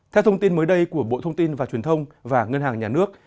theo thông tin mới đây của bộ thông tin và truyền thông và ngân hàng nhà nước